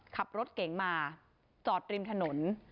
ขับรถเก๋งมาจอดริมถนน